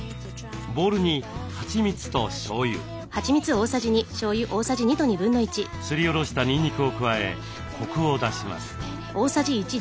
ボウルにはちみつとしょうゆすりおろしたにんにくを加えコクを出します。